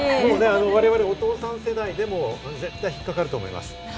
我々、お父さん世代でも絶対引っ掛かると思います。